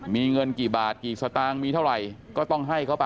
มีเงินกี่บาทกี่สตางค์มีเท่าไหร่ก็ต้องให้เขาไป